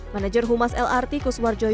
manager humas lrt kuswarjo